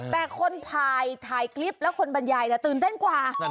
แต่คนถ่ายคลิปแล้วคนบรรยายตื่นเต้นกว่า